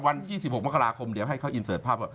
วันที่๑๖มกราคมเดี๋ยวให้เขาอินเสิร์ตภาพว่า